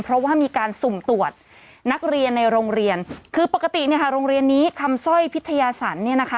เพราะว่ามีการสุ่มตรวจนักเรียนในโรงเรียนคือปกติเนี่ยค่ะโรงเรียนนี้คำสร้อยพิทยาศรเนี่ยนะคะ